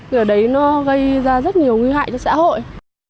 giờ đấy nó gây ra rất nhiều nguy hại cho xã hội